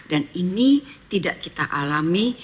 dan ini tidak kita alami